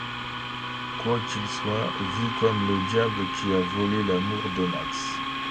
Quoiqu'il soit vu comme le diable qui a volé l'amour de Max.